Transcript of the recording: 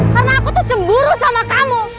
karena aku tuh cemburu sama kamu